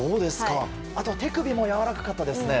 あとは手首もやわらかかったですね。